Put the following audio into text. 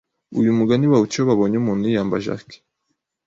Uyu mugani bawuca iyo babonye umuntu yiyambaje ake;